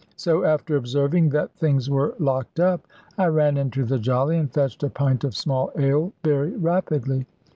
So, after observing that things were locked up, I ran into the Jolly, and fetched a pint of small ale, very rapidly.